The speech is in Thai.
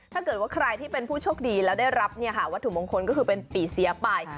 ถ้าเกิดว่าใครที่เป็นผู้โชคดีแล้วได้รับวัตถุมงคลก็คือเป็นปีเสียไป